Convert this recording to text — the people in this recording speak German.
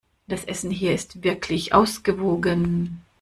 Das Essen hier ist wirklich ausgewogen.